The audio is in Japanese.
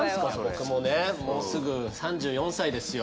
僕もねもうすぐ３４歳ですよ。